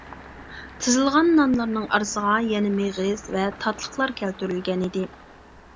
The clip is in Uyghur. تىزىلغان نانلارنىڭ ئارىسىغا يەنە مېغىز ۋە تاتلىقلار كەلتۈرۈلگەنىدى.